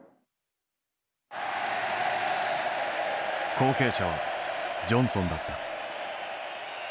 後継者はジョンソンだった。